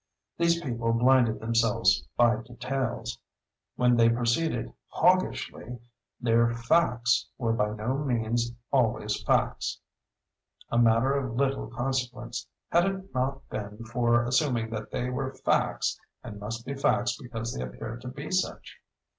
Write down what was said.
These people blinded themselves by details. When they proceeded Hoggishly, their "facts" were by no means always facts—a matter of little consequence had it not been for assuming that they were facts and must be facts because they appeared to be such.